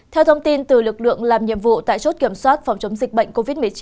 theo thông tin từ lực lượng làm nhiệm vụ tại chốt kiểm soát phòng chống dịch bệnh covid một mươi chín